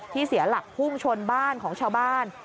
เสียหลักพุ่งชนบ้านของชาวบ้าน